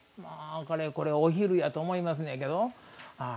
かれこれお昼やと思いますねんけんど。